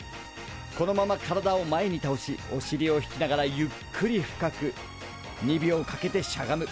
このまま体を前にたおしおしりを引きながらゆっくり深く２秒かけてしゃがむ。